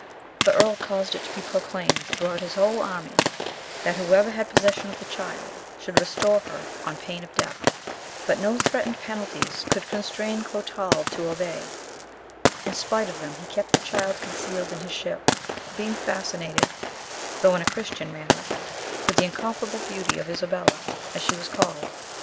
The earl caused it to be proclaimed throughout his whole army, that whoever had possession of the child, should restore her on pain of death; but no threatened penalties could constrain Clotald to obey; in spite of them, he kept the child concealed in his ship, being fascinated, though in a Christian manner, with the incomparable beauty of Isabella, as she was called.